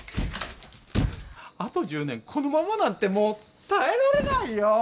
あと１０年このままなんてもう耐えられないよ